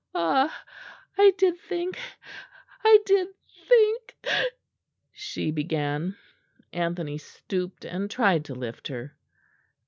"Ah! I did think I did think " she began. Anthony stooped and tried to lift her.